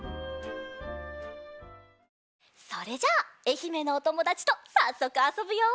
それじゃあえひめのおともだちとさっそくあそぶよ。